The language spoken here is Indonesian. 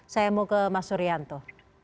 saya mau ke mas suryanto